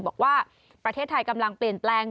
บอกว่าประเทศไทยกำลังเปลี่ยนแปลง